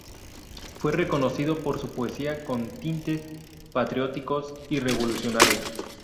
Fue reconocido por su poesía con tintes patrióticos y revolucionaria.